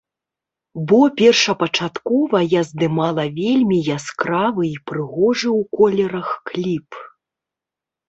Бо першапачаткова я здымала вельмі яскравы і прыгожы ў колерах кліп.